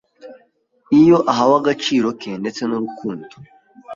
iyo ahawe agaciro ke ndetse n’urukundo